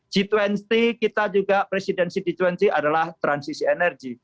g dua puluh kita juga presidensi g dua puluh adalah transisi energi